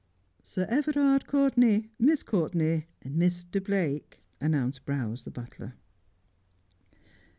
' Sir Everard Courtenay, Miss Courtenay, Mr. Blake,' an nounced Browse, the butler.